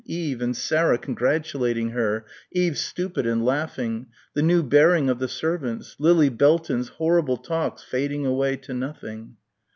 Eve and Sarah congratulating her, Eve stupid and laughing ... the new bearing of the servants ... Lilla Belton's horrible talks fading away to nothing.